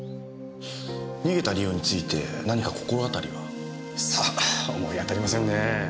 逃げた理由について何か心当たりは？さあ思い当たりませんねぇ。